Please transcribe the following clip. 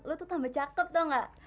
lo tuh tambah cakep tuh gak